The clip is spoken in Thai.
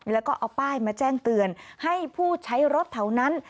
แล้วก็เอาป้ายมาแจ้งเตือนให้ผู้ใช้รถแถวนั้น